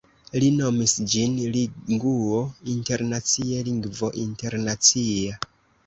li nomis ĝin Linguo internacie, lingvo internacia.